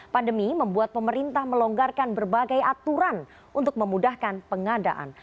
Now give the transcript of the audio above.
pandemi membuat pemerintah melonggarkan berbagai aturan untuk memudahkan pengadaan